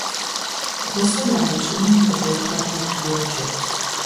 Гъусэ ямыщӀынум блэкӀрэ пэт йоджэ.